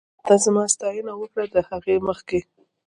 ته زما ستاينه وکړه ، د هغې مخکې